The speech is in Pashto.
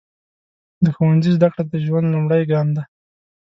د ښوونځي زده کړه د ژوند لومړی ګام دی.